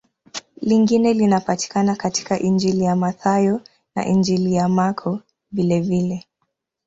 Lingine linapatikana katika Injili ya Mathayo na Injili ya Marko vilevile.